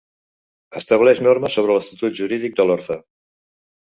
Estableix normes sobre l'estatut jurídic de l'orfe.